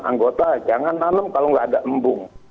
anggota jangan nanem kalau nggak ada embung